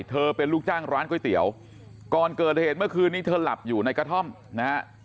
เธอเป็นลูกจ้างร้านก๋วยเตี๋ยวก่อนเกิดเหตุเมื่อคืนนี้เธอหลับอยู่ในกระท่อมนะฮะ